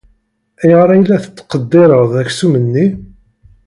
Ayɣer ay la tettqeddireḍ aksum-nni?